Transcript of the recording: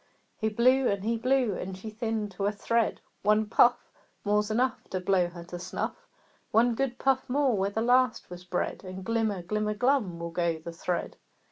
He blew and he blew, and she thinned to a thread. "One puff More's enough To blow her to snuff! One good puff more where the last was bred, And glimmer, glimmer, glum will go the thread!"